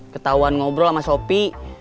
ketauan ngobrol sama sopi